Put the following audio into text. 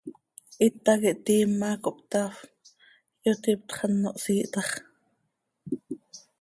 Hita quih tiim ma, cohptafp, ihyotiptx, ano hsiih tax.